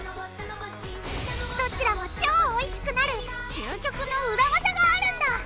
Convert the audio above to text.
どちらも超おいしくなる究極のウラ技があるんだ！